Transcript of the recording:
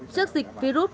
trước dịch virus